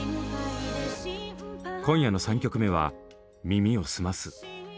今夜の３曲目は「耳をすます」。